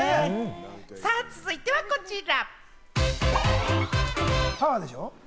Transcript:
さあ、続いてはこちら。